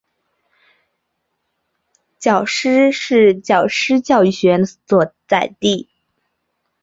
皎施是皎施教育学院的所在地。